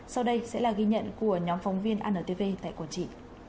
sau đây sẽ là ghi nhận của nhóm phóng viên antv tại quảng trị